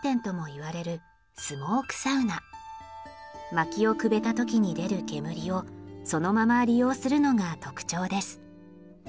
薪をくべた時に出る煙をそのまま利用するのが特徴です。